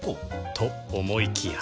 と思いきや